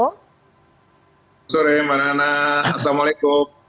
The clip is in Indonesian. selamat sore mbak nana assalamualaikum